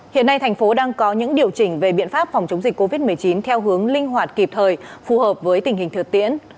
hiện nay thành phố đang có những điều chỉnh về biện pháp phòng chống dịch covid một mươi chín theo hướng linh hoạt kịp thời phù hợp với tình hình thực tiễn